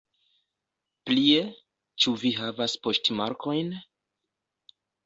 Plie, ĉu vi havas poŝtmarkojn?